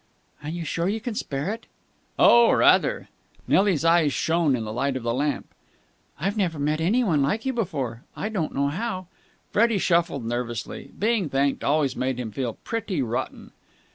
"Are you sure you can spare it?" "Oh, rather." Nelly's eyes shone in the light of the lamp. "I've never met anyone like you before. I don't know how...." Freddie shuffled nervously. Being thanked always made him feel pretty rotten.